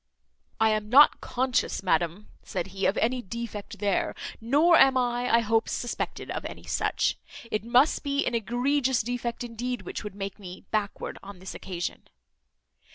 "I am not conscious, madam," said he, "of any defect there; nor am I, I hope, suspected of any such. It must be an egregious defect indeed, which could make me backward on this occasion."